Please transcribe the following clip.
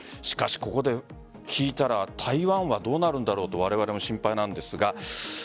しかしここでひいたら台湾、どうなるんだろうとわれわれも心配なんですが。